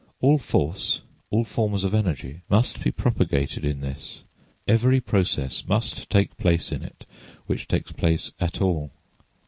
All force, all forms of energy must be propagated in this; every process must take place in it which takes place at all.